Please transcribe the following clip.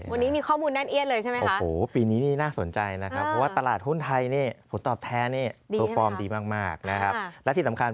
วันนี้มีข้อมูลแน่นเอียดเลยใช่ไหมคะโอ้โหปีนี้นี่น่าสนใจนะครับ